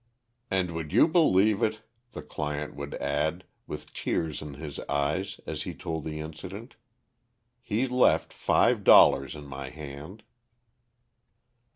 "And would you believe it," the client would add, with tears in his eyes, as he told the incident, "He left five dollars in my hand."